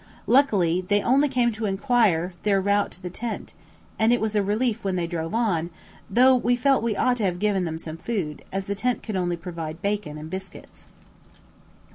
Luckily they only came to enquire their route to the tent, and it was a relief when they drove on; though we felt we ought to have given them some food, as the tent could only provide bacon and biscuits.